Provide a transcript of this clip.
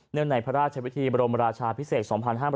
เนื่องในพระราชวิธีบรมราชาพิเศษ๒๕๖๒